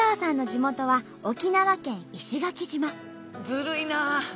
ずるいなあ！